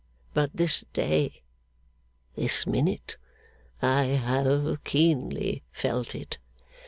But this day, this minute, I have keenly felt it.